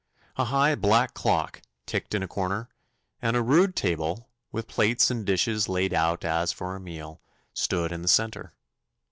A high black clock ticked in a corner, and a rude table, with plates and dishes laid out as for a meal, stood in the centre.